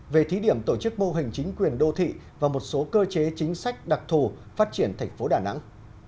về thí điểm tổ chức mô hình chính quyền đô thị và một số cơ chế chính sách đặc thù phát triển thành phố đà nẵng